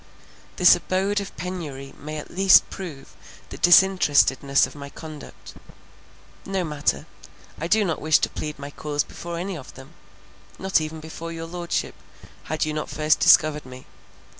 This abode of penury may at least prove the disinterestedness of my conduct. No matter: I do not wish to plead my cause before any of them, not even before your Lordship, had you not first discovered me.